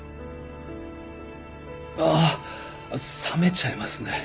ああ冷めちゃいますね。